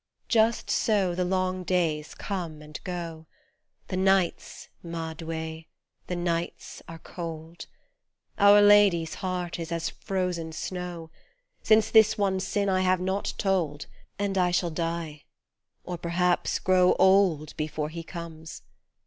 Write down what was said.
Just so the long days come and go. The nights, ma Doue ! the nights are cold ! Our Lady's heart is as frozen snow, Since this one sin I have not told ; And I shall die or perhaps grow old Before he comes.